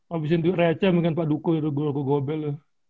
abisin duit receh minggir pak duko itu gue gobel